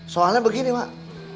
soalnya begini mak